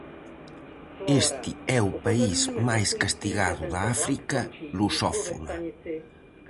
Este é o país máis castigado da África Lusófona.